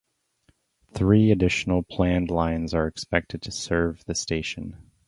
Three additional planned lines are expected to serve the station.